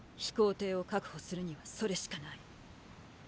飛行艇を確保するにはそれしかない。